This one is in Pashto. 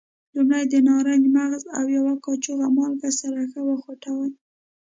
لومړی د نارنج مغز او یوه کاشوغه مالګه سره ښه وخوټوئ.